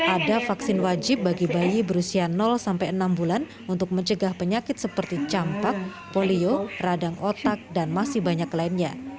ada vaksin wajib bagi bayi berusia sampai enam bulan untuk mencegah penyakit seperti campak polio radang otak dan masih banyak lainnya